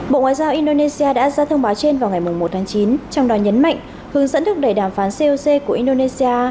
bộ ngoại giao indonesia đã ra thông báo trên vào ngày một mươi một tháng chín trong đó nhấn mạnh hướng dẫn thức đẩy đàm phán coc của indonesia